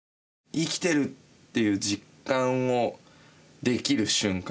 「生きてる」っていう実感をできる瞬間